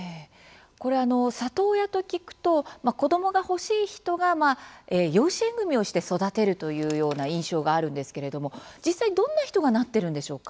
これあの里親と聞くと子どもが欲しい人が養子縁組をして育てるというような印象があるんですけれども実際どんな人がなってるんでしょうか？